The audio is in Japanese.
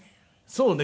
そうね。